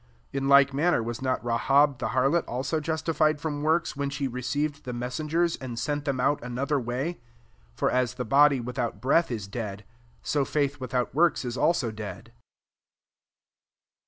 2d In like manner was not Rahab the harlot also justifi ed from works, when she receiv ed the messengers, and sent them out another way ? 26 For as the body without breath is dead, so faith without works is also dead.